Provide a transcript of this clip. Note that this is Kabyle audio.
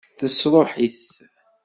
Tesṛuḥ-it?